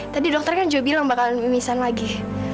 tadi dokter kan juga bilang bakalan bimisan lagi